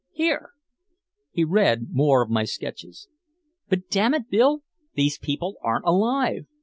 "Here!" He read more of my sketches. "But damn it, Bill, these people aren't alive.